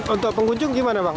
untuk pengunjung gimana